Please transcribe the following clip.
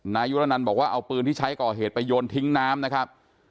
นายุรนันบอกว่าเอาปืนที่ใช้ก่อเหตุไปโยนทิ้งน้ำนะครับ